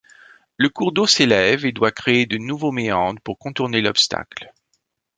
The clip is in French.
Le cours d'eau s'élève et doit créer de nouveaux méandres pour contourner l'obstacle.